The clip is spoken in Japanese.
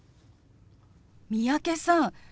三宅さん